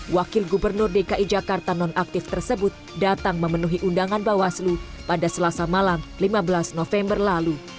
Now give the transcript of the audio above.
wakil gubernur dki jakarta nonaktif tersebut datang memenuhi undangan bawaslu pada selasa malam lima belas november lalu